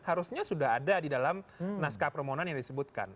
harusnya sudah ada di dalam naskah permohonan yang disebutkan